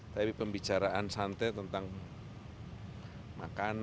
tapi pembicaraan santai tentang makanan